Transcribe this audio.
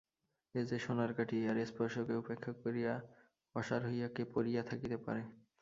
এ যে সোনার কাঠি–ইহার স্পর্শকে উপেক্ষা করিয়া অসাড় হইয়া কে পড়িয়া থাকিতে পারে!